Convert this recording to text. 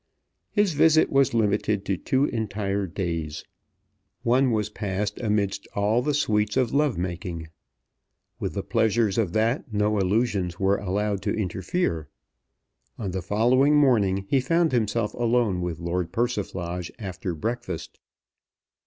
His visit was limited to two entire days. One was passed amidst all the sweets of love making. With the pleasures of that no allusions were allowed to interfere. On the following morning he found himself alone with Lord Persiflage after breakfast.